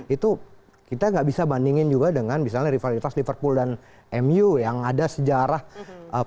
itu kita tidak bisa bandingkan juga dengan rivalitas liverpool dan mu yang ada sejarah panjang